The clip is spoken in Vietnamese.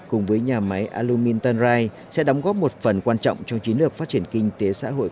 cùng với nhà máy alumintan rai sẽ đóng góp một phần quan trọng trong chiến lược phát triển kinh tế xã hội